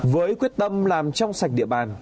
với quyết tâm làm trong sạch địa bàn